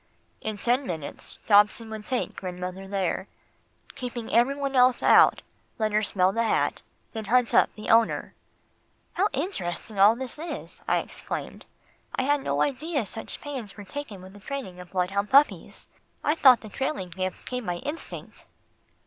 In ten minutes, Dobson would take grandmother there, keeping every one else out, let her smell the hat, then hunt up the owner." "How interesting all this is," I exclaimed. "I had no idea such pains was taken with the training of bloodhound puppies. I thought the trailing gift came by instinct."